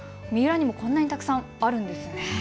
三浦にもこんなにたくさんあるんですね。